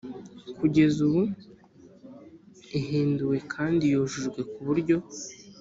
kugeza ubu ihinduwe kandi yujujwe ku buryo